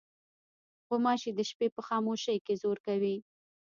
غوماشې د شپې په خاموشۍ کې زور کوي.